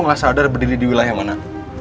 lo ga sadar berdiri di wilayah mana